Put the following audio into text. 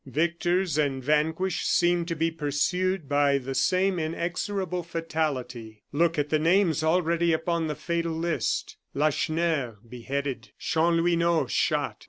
Victors and vanquished seemed to be pursued by the same inexorable fatality. Look at the names already upon the fatal list! Lacheneur, beheaded. Chanlouineau, shot.